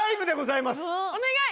お願い！